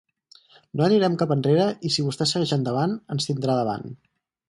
No anirem cap enrere i si vostè segueix endavant, ens tindrà davant.